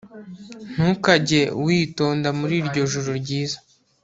Ntukajye witonda muri iryo joro ryiza